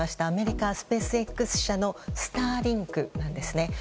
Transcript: アメリカ、スペースＸ社のスターリンクなんですね。